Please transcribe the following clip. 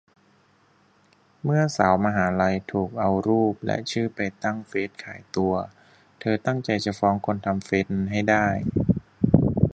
เมื่อสาวมหาลัย ถูกเอารูปและชื่อไปตั้งเฟซขายตัว เธอตั้งใจจะฟ้องคนทำเฟซนั้นให้ได้